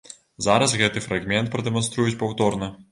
Зараз гэты фрагмент прадэманструюць паўторна.